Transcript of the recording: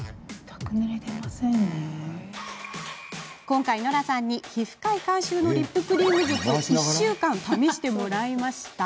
今回ノラさんに皮膚科医監修のリップクリーム術を１週間、試してもらいました。